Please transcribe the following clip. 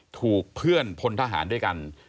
ถูกเพื่อนพลทหารด้วยกัน